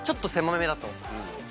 だったんですよ。